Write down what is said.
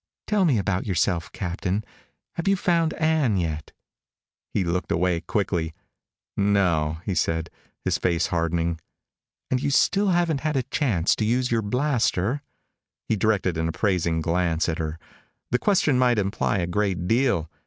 "Tell me about yourself, Captain. Have you found Ann yet?" He looked away quickly. "No," he said, his face hardening. "And you still haven't had a chance to use your blaster?" He directed an appraising glance at her. The question might imply a great deal.